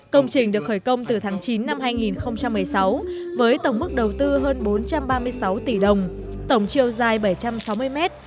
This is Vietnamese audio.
công trình được khởi công từ tháng chín năm hai nghìn một mươi sáu với tổng mức đầu tư hơn bốn trăm ba mươi sáu tỷ đồng tổng chiều dài bảy trăm sáu mươi mét